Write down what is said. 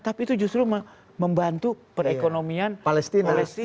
tapi itu justru membantu perekonomian palestina